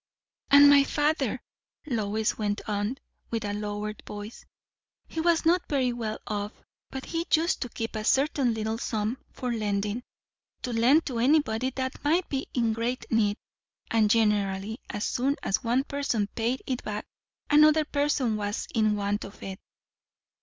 "And my father," Lois went on, with a lowered voice, "he was not very well off, but he used to keep a certain little sum for lending; to lend to anybody that might be in great need; and generally, as soon as one person paid it back another person was in want of it."